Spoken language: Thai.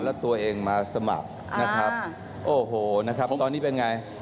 แล้วตัวเองมาสมัครนะครับโอ้โหนะครับตอนนี้เป็นไง